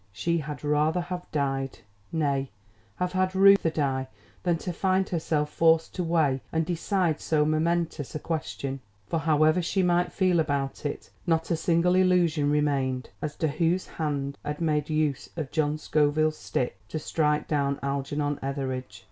She had rather have died, nay, have had Reuther die than to find herself forced to weigh and decide so momentous a question. For, however she might feel about it, not a single illusion remained as to whose hand had made use of John Scoville's stick to strike down Algernon Etheridge.